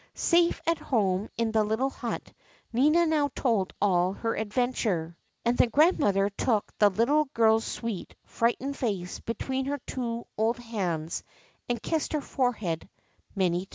Safe at home in the little hut, Nina now told all her adventure ; and the grandmother took the little girl's sweet, frightened face between her two old hands and kissed her forehead many times.